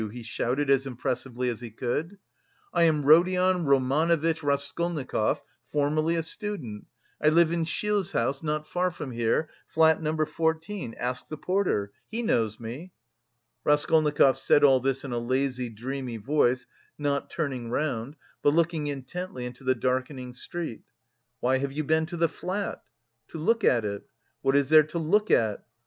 he shouted as impressively as he could. "I am Rodion Romanovitch Raskolnikov, formerly a student, I live in Shil's house, not far from here, flat Number 14, ask the porter, he knows me." Raskolnikov said all this in a lazy, dreamy voice, not turning round, but looking intently into the darkening street. "Why have you been to the flat?" "To look at it." "What is there to look at?"